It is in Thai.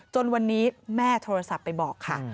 จนวันนี้แม่โทรศัพท์ไปบอกค่ะ